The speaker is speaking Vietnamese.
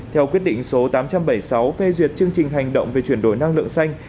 theo quyết định số tám trăm bảy mươi sáu phê duyệt chương trình hành động về chuyển đổi năng lượng xanh